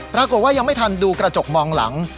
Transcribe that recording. ปรากฏว่ายังไม่ทันดูกระจกมองหลัง